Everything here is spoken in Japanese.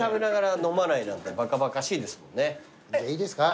いいですか？